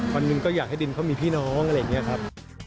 วันหนึ่งก็อยากให้ดินเขามีพี่น้องอะไรอย่างนี้ครับ